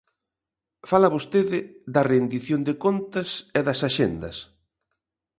Fala vostede da rendición de contas e das axendas.